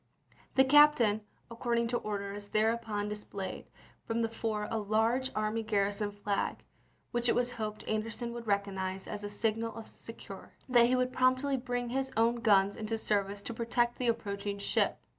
The captain, according to orders, thereupon dis played from the fore a large army garrison flag which it was hoped Anderson would recognize as a signal of succor, and that he would promptly bring his own guns into service to protect the approach ing ship.